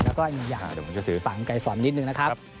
แล้วก็อย่างฝั่งไก่สอนนิดนึงนะครับ